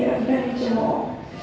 agar tidak dicemuk